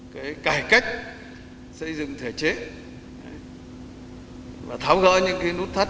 cái cải cách xây dựng thể chế và tháo gỡ những cái nút thắt